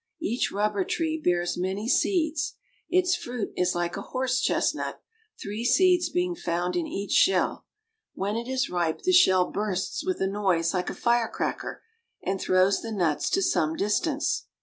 Each rubber tree bears many seeds. Its fruit is hke a horse chestnut, three seeds being found in each shell. When it is ripe the shell bursts with a noise like a firecracker and throws the nuts to some dis tance.